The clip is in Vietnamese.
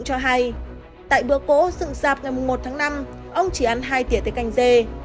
cho hay tại bữa cổ dựng dạp ngày một tháng năm ông chỉ ăn hai tiể tế canh dê